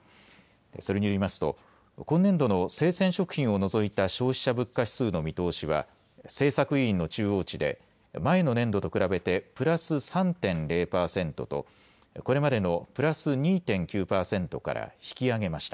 それによりますと今年度の生鮮食品を除いた消費者物価指数の見通しは政策委員の中央値で前の年度と比べてプラス３．０％とこれまでのプラス２．９％から引き上げました。